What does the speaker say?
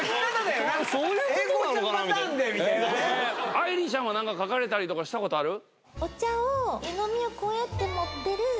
あいりちゃんは何か書かれたりとかしたことある？